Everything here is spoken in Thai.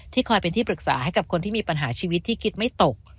คอยเป็นที่ปรึกษาให้กับคนที่มีปัญหาชีวิตที่คิดไม่ตก